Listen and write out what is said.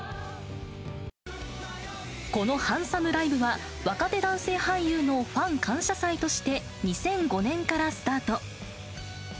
このハンサムライブは、若手男性俳優のファン感謝祭として、２００５年からスタート。